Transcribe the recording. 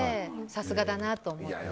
さすがだなと思って。